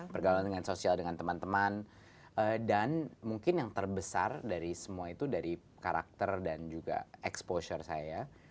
pergaulan dengan sosial dengan teman teman dan mungkin yang terbesar dari semua itu dari karakter dan juga exposure saya